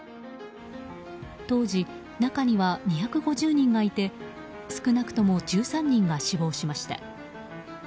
当時、中には２５０人がいて少なくとも１３人が死亡しました。